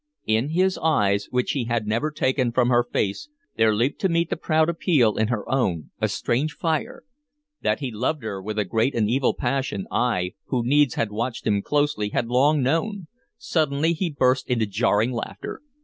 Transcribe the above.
In his eyes, which he had never taken from her face, there leaped to meet the proud appeal in her own a strange fire. That he loved her with a great and evil passion, I, who needs had watched him closely, had long known. Suddenly he burst into jarring laughter.